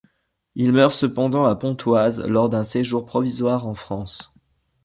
Il meurt cependant à Pontoise lors d'un séjour provisoire en France.